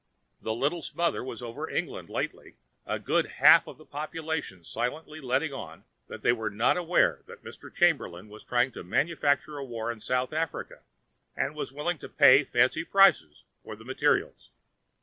The like smother was over England lately, a good half of the population silently letting on that they were not aware that Mr. Chamberlain was trying to manufacture a war in South Africa and was willing to pay fancy prices for the materials.